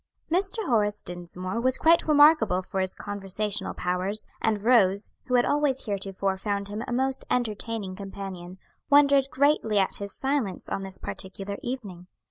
Mr. Horace Dinsmore was quite remarkable for his conversational powers, and Rose, who had always heretofore found him a most entertaining companion, wondered greatly at his silence on this particular evening.